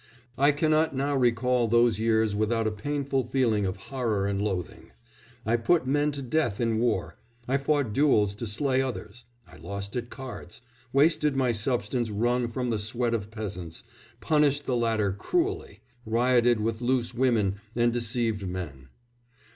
I cannot now recall those years without a painful feeling of horror and loathing. I put men to death in war, I fought duels to slay others, I lost at cards, wasted my substance wrung from the sweat of peasants, punished the latter cruelly, rioted with loose women, and deceived men.